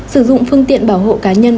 sử dụng phương tiện bảo hộ cá nhân